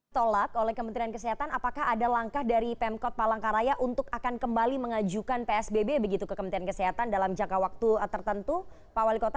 tolak oleh kementerian kesehatan apakah ada langkah dari pemkot palangkaraya untuk akan kembali mengajukan psbb begitu ke kementerian kesehatan dalam jangka waktu tertentu pak wali kota